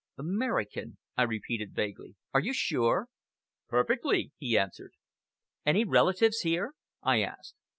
"American," I repeated vaguely, "are you sure?" "Perfectly!" he answered. "Any relatives here?" I asked.